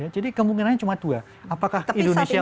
jadi kemungkinannya cuma dua apakah indonesia